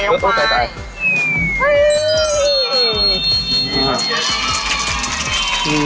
อุ๊ยใส่ไข่ออกไป